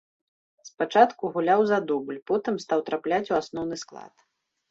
Спачатку гуляў за дубль, потым стаў трапляць у асноўны склад.